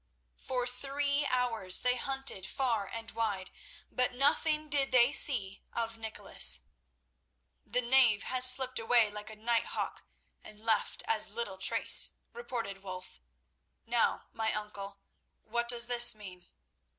For three hours they hunted far and wide, but nothing did they see of Nicholas. "The knave has slipped away like a night hawk, and left as little trace," reported Wulf. "Now, my uncle, what does this mean?"